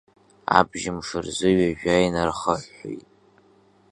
Абжьымш рзы ҩажәа инархыҳәҳәеит.